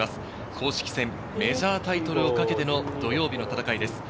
公式戦、メジャータイトルを懸けての土曜日の戦いです。